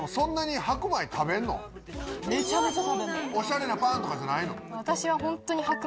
おしゃれなパンとかじゃないの？